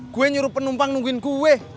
gue nyuruh penumpang nungguin kue